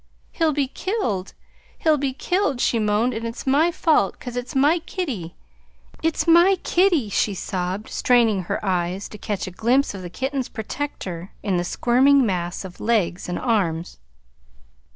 "He'll be killed, he'll be killed," she moaned. "And it's my fault, 'cause it's my kitty it's my kitty," she sobbed, straining her eyes to catch a glimpse of the kitten's protector in the squirming mass of legs and arms.